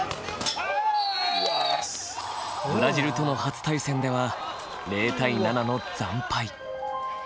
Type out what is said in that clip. ブラジルとの初対戦では０対７の惨敗。